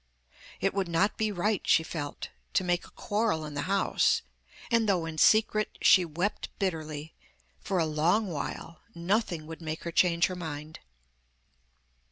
It would not be right, she felt, to make a quarrel in the house, and though in secret she wept bitterly, for a long while, nothing would make her change her mind.